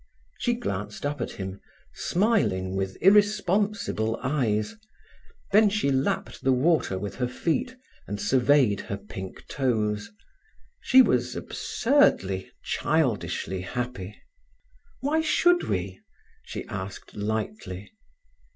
She glanced up at him, smiling with irresponsible eyes. Then she lapped the water with her feet, and surveyed her pink toes. She was absurdly, childishly happy. "Why should we?" she asked lightly.